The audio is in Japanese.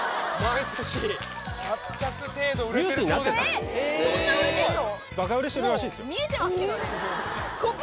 えっそんな売れてんの？